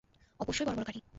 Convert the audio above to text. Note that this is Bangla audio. অবশ্যই বড় বড় গাড়ী!